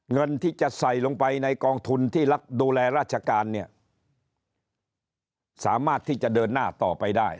เงินที่จะใส่ลงไปในกองทุนที่ดูแลราชการเนี่ยสามารถที่จะเดินหน้าต่อไปได้